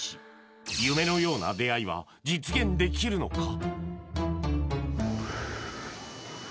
夢のような出会いは実現できるのか？